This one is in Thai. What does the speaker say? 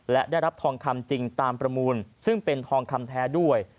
และได้รับทองคำจริงตามประมูลซึ่งเป็นทองคำแท้ด้วย